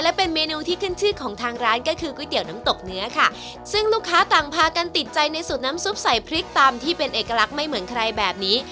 และเป็นเมนูที่ขึ้นชื่อของทางร้านก็คือก๋วยเตี๋ยวน้ำตกเนื้อค่ะซึ่งลูกค้าต่างพากันติดใจในสูตรน้ำซุปใส่พริกตำที่เป็นเอกลักษณ์ไม่เหมือนใครแบบนี้